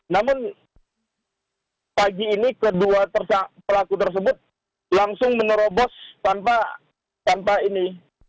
namun pagi ini kedua pelaku tersebut langsung menerobos tanpa ini